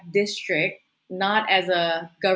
distrik bukan hanya sebagai